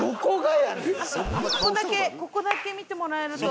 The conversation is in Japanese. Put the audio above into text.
ここだけここだけ見てもらえると。